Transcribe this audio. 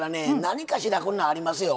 何かしらこんなんありますよ。